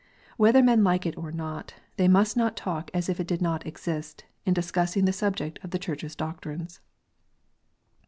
Whether men like it or not, they must not talk as if it did not exist, in discussing the subject of the Church s doctrines.